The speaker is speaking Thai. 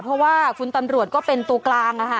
เพราะว่าคุณตำรวจก็เป็นตัวกลาง